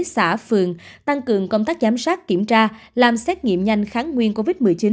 xã phường tăng cường công tác giám sát kiểm tra làm xét nghiệm nhanh kháng nguyên covid một mươi chín